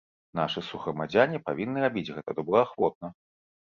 Нашы суграмадзяне павінны рабіць гэта добраахвотна.